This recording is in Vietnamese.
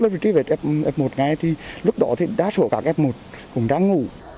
nếu truy vết cá cấp một ngay thì lúc đó thì đa số cá cấp một cũng đang ngủ